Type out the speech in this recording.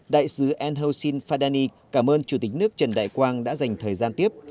đại sứ enhocin fadani cảm ơn chủ tịch nước trần đại quang đã dành thời gian tiếp